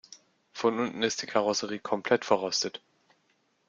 Von unten ist die Karosserie komplett verrostet.